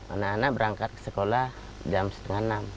anak anak berangkat ke sekolah jam setengah enam